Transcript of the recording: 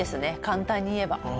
簡単に言えば。